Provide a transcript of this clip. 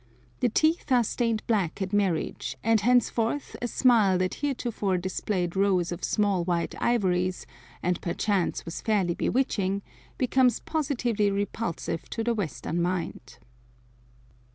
The teeth are stained black at marriage, and henceforth a smile that heretofore displayed rows of small white ivories, and perchance was fairly bewitching, becomes positively repulsive to the Western mind.